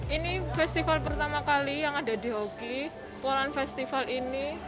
ini festival pertama kali yang ada di hoki polan festival ini